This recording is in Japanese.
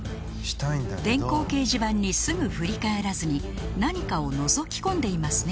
電光掲示板にすぐ振り返らずに何かをのぞき込んでいますね